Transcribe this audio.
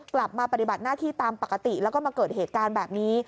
กลับมาปฏิบัติหน้าที่ตามปกติแล้วก็มาเกิดเหตุการณ์แบบนี้